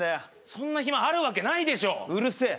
そんな暇あるわけないでしょうるせえ